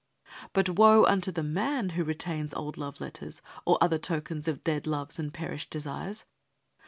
But woe unto the man who retains old love letters, or other tokens of dead loves and perished desires.